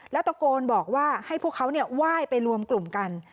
แล้วตะโกนบอกว่าให้พวกเขาไหว้ไปรวมกลุ่มกัน